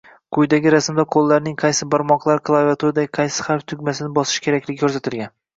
Quyidagi rasmda qo’llarning qaysi barmoqlari klaviaturadagi qaysi harf tugmasini bosishi kerakligi ko’rsatilgan